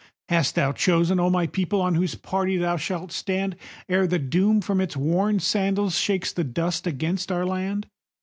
Hast thou chosen, O my people, on whose party thou shalt stand, Ere the Doom from its worn sandals shakes the dust against our land?